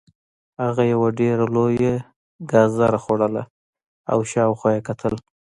هغه یوه ډیره لویه ګازره خوړله او شاوخوا یې کتل